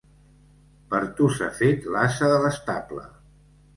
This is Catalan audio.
Per tu s'ha fet l'ase de l'estable.